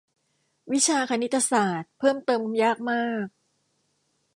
วิชาคณิตศาสตร์เพิ่มเติมยากมาก